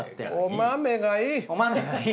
お豆がいい！